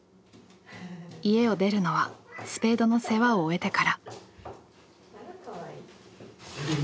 家を出るのはスペードの世話を終えてから。